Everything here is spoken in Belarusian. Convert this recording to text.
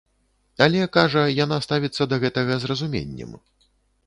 Але, кажа, яна ставіцца да гэтага з разуменнем.